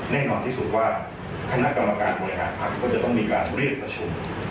แน่นอนที่สุดว่าคณะกรรมการบริหารภักดิ์ก็จะต้องมีการเรียกประชุม